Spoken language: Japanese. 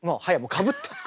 かぶって。